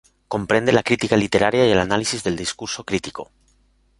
Comprende la crítica literaria y el análisis del discurso crítico.